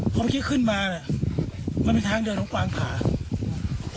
ข้อมูลนี้ขึ้นมามันเป็นทางไปลงปากขวางภาค